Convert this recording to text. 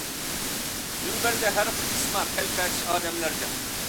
مۇنبەردە ھەر قىسما پەلىپەتىش ئادەملەر جىق.